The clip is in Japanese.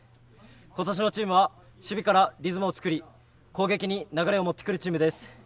今年のチームは守備からリズムを作り、攻撃に流れを持ってくるチームです。